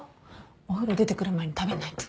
お風呂出てくる前に食べないと。